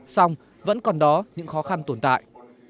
xong vẫn còn đó những khó khăn tồn tại